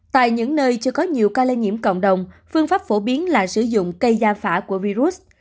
tại những nơi chưa có nhiều ca lây nhiễm cộng đồng phương pháp phổ biến là sử dụng cây gia phả của virus